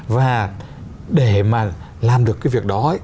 và để mà làm được cái việc đó